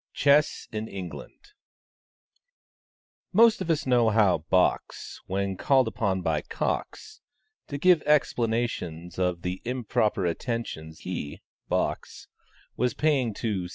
CHESS IN ENGLAND. Most of us know how "Box," when called upon by "Cox," to give explanations of the improper attentions he (Box) was paying to C.'